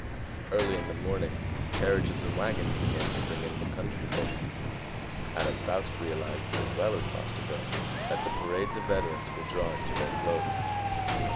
Early in the morning carriages and wagons began to bring in the country folk. Adam Foust realized as well as Fosterville that the parades of veterans were drawing to their close.